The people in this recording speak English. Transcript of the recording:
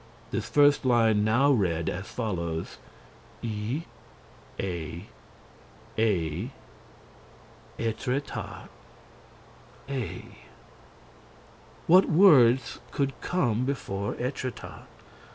This first line now read as follows: e . a . a .. etretat . a .. What words could come before Étretat?